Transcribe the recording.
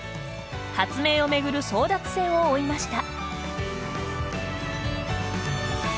発明を巡る争奪戦を追いました。